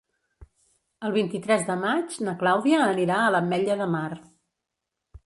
El vint-i-tres de maig na Clàudia anirà a l'Ametlla de Mar.